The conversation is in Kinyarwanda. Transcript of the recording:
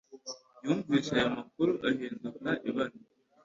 Yumvise ayo makuru ahinduka ibara